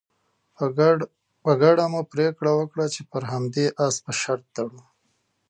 په ګډه مو پرېکړه وکړه چې پر همدې اس به شرط تړو.